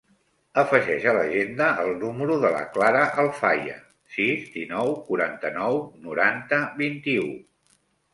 Afegeix a l'agenda el número de la Clara Alfaya: sis, dinou, quaranta-nou, noranta, vint-i-u.